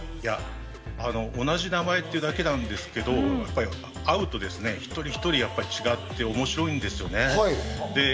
同じ名前っていうだけなんですけど、会うと一人一人違って面白いんですよ。